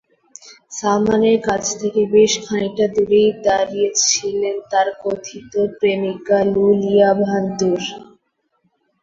সালমানের কাছ থেকে বেশ খানিকটা দূরেই দাঁড়িয়েছিলেন তাঁর কথিত প্রেমিকা লুলিয়া ভানতুর।